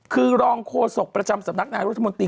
คือรองโฆษกประจำสำนักงานรัฐมนตรี